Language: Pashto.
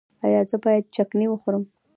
ایا زه باید چکنی وخورم؟